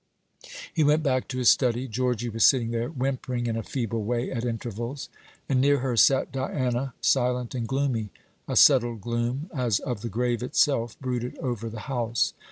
He went back to his study. Georgy was sitting there, whimpering in a feeble way at intervals; and near her sat Diana, silent and gloomy. A settled gloom, as of the grave itself, brooded over the house.